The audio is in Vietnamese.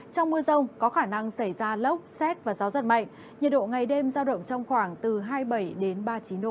trong mưa rông có khả năng xảy ra lốc xét và gió giật mạnh nhiệt độ ngày đêm giao động trong khoảng từ hai mươi bảy ba mươi chín độ